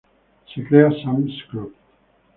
Se crea Sam's Club.